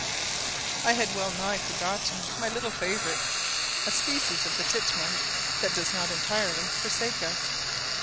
I had well nigh forgotten my little favourites, a species of the titmouse, that does not entirely forsake us.